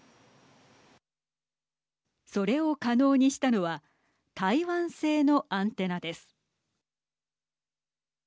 それを可能にしたのは台湾製のアンテナです。